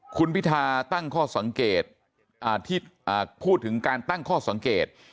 คุณพิธาตั้งข้อสังเกตที่พูดถึงการตั้งข้อสังเกต